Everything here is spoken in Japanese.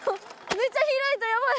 めっちゃ開いたヤバい。